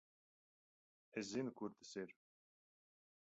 Es zinu, kur tas ir.